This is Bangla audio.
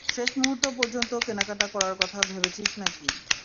শেষ মুহুর্ত পর্যন্ত কেনাকাটা করার কথা ভেবেছিস না কি?